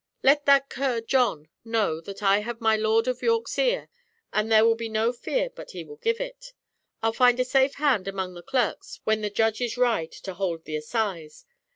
Let that cur John know that I have my Lord of York's ear, and there will be no fear but he will give it. I'll find a safe hand among the clerks, when the judges ride to hold the assize.